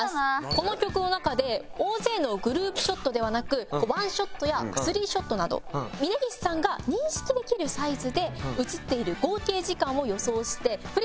この曲の中で大勢のグループショットではなく１ショットや３ショットなど峯岸さんが認識できるサイズで映っている合計時間を予想してフリップにお書きください。